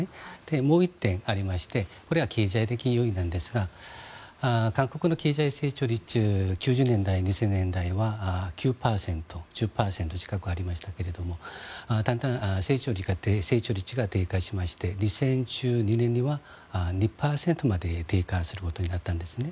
もう１点ありましてこれは経済的要因なんですが韓国の経済成長率９０年代、２０００年代は９％、１０％近くありましたけれどもだんだん経済成長率が低下しまして２０１２年には２％まで低下することになったんですね。